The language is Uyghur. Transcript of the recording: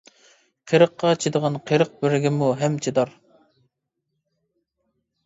قىرىققا چىدىغان قىرىق بىرگىمۇ ھەم چىدار.